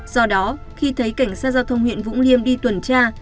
do đó khi thấy cảnh sát giao thông huyện vũng liêm đi tuần tra